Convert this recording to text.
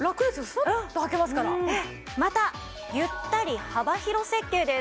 またゆったり幅広設計です。